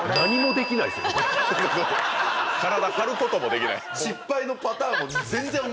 体張ることもできない。